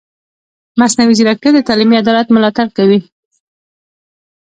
مصنوعي ځیرکتیا د تعلیمي عدالت ملاتړ کوي.